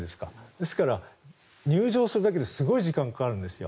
ですから、入場するだけですごく時間がかかるんですよ。